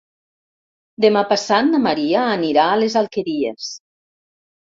Demà passat na Maria anirà a les Alqueries.